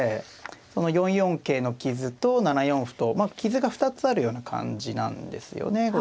その４四桂の傷と７四歩とまあ傷が２つあるような感じなんですよね